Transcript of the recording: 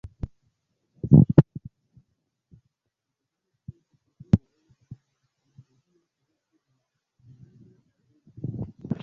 Menciindas interalie ŝiaj kontribuoj al la pedagogia projekto de la fondaĵo Talento.